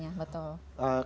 iya itulah bahayanya betul